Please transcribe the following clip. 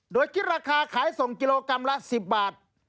โดยคิดราคาขายส่งกิโลกรัมละ๑๐บาท